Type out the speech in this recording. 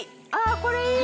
これいい！